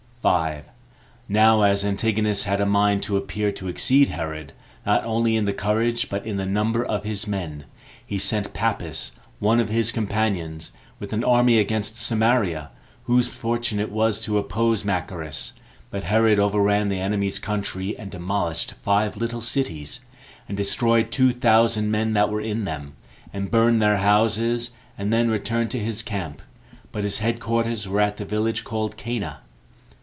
5. Now as Antigonus had a mind to appear to exceed Herod, not only in the courage, but in the number of his men, he sent Pappus, one of his companions, with an army against Samaria, whose fortune it was to oppose Machaerus; but Herod overran the enemy's country, and demolished five little cities, and destroyed two thousand men that were in them, and burned their houses, and then returned to his camp; but his head quarters were at the village called Cana.